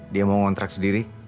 dia mau ngontrak sendiri